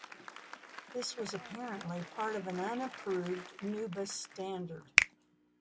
This was apparently part of an unapproved NuBus standard.